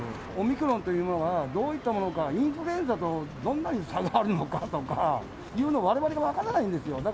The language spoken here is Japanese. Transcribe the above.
オミクロンというのがどういったものか、インフルエンザとどんなに差があるのかとかいうの、われわれが分からないんですよ。